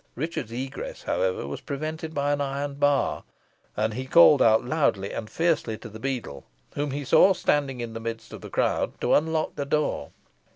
Richard's egress, however, was prevented by an iron bar, and he called out loudly and fiercely to the beadle, whom he saw standing in the midst of the crowd, to unlock the door.